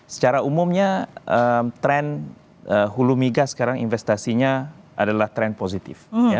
secara umumnya tren hulu migas sekarang investasinya adalah tren positif